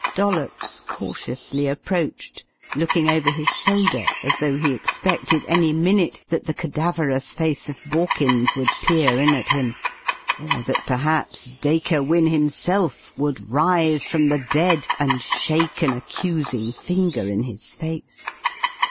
Dollops cautiously approached, looking over his shoulder as though he expected any minute that the cadaverous face of Borkins would peer in at him, or that perhaps Dacre Wynne himself would rise from the dead and shake an accusing finger in his face.